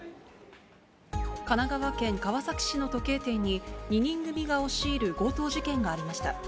神奈川県川崎市の時計店に、２人組が押し入る強盗事件がありました。